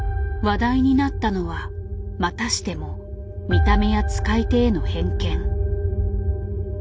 話題になったのはまたしても見た目や使い手への偏見。